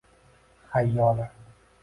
Xayolan